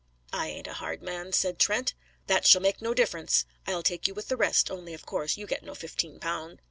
"I ain't a hard man," said Trent. "That shall make no difference. I'll take you with the rest, only of course you get no fifteen pound."